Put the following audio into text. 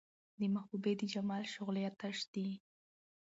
د محبوبې د جمال شغلې اۤتش دي